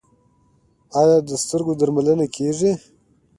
آیا د سترګو درملنه کیږي؟